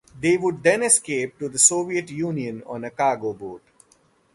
They would then escape to the Soviet Union on a cargo boat.